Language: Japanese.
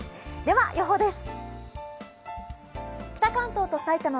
では、予報です。